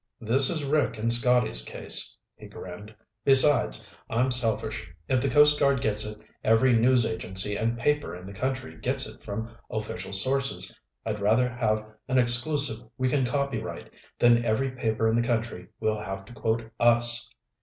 This is Rick and Scotty's case." He grinned. "Besides, I'm selfish. If the Coast Guard gets it, every news agency and paper in the country gets it from official sources. I'd rather have an exclusive we can copyright, then every paper in the country will have to quote us."